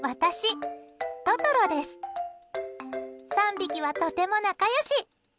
３匹はとても仲良し。